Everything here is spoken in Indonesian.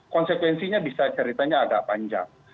konsekuensinya bisa ceritanya agak panjang